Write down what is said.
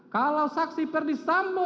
kalau saksi perdisambo